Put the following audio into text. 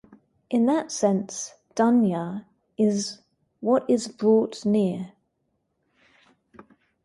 In that sense, "dunya" is "what is brought near".